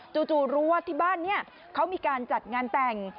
จู่รู้ว่าที่บ้านนี้เขามีการจัดงานแต่ง